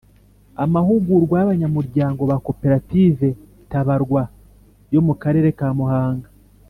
Amahugurwa y Abanyamuryango ba Koperative Tabarwa yo mu Karere ka Muhanga